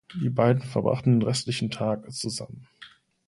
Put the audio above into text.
Die beiden verbrachten den restlichen Tag zusammen.